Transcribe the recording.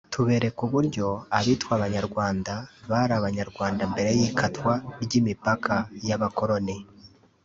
tubereka uburyo abitwa Abanyarwanda bari Abanyarwanda mbere y’ikatwa ry’imipaka n’abakoroni